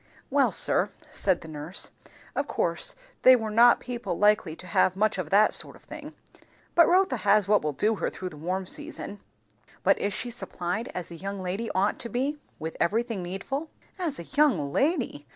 "Well, sir," said the nurse, "of course they were people not likely to have much of that sort of thing; but Rotha has what will do her through the warm season." "But is she supplied as a young lady ought to be, with everything needful?" "As a young lady!